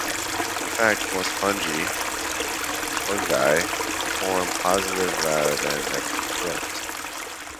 In fact, most fungi perform positive rather than negative roles.